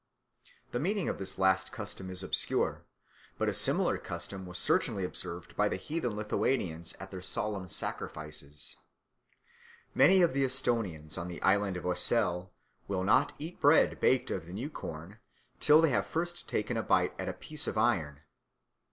The meaning of this last custom is obscure, but a similar custom was certainly observed by the heathen Lithuanians at their solemn sacrifices. Many of the Esthonians of the island of Oesel will not eat bread baked of the new corn till they have first taken a bite at a piece of iron.